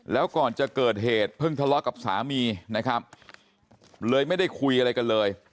แล้วก่อนจะเกิดเหตุเพิ่งทะเลาะกับสามีนะครับเลยไม่ได้คุยอะไรกันเลย